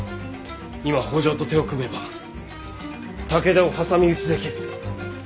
今北条と手を組めば武田を挟み撃ちできる。